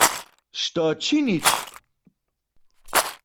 Što činić?